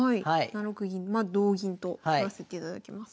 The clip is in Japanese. ７六銀は同銀と取らせていただきます。